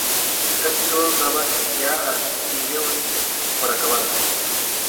Casi todos daban ya a Simeoni por acabada.